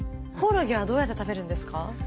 コオロギはどうやって食べるんですか？